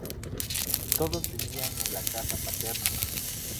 Todos vivían en la casa paterna.